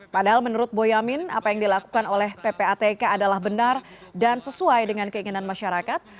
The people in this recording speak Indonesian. padahal menurut boyamin apa yang dilakukan oleh ppatk adalah benar dan sesuai dengan keinginan masyarakat